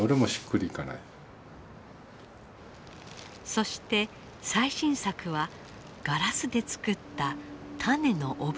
そして最新作はガラスで作った種のオブジェ。